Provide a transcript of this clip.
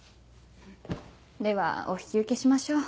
ではお引き受けしましょう。